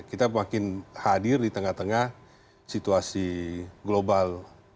kita makin hadir di tengah tengah situasi global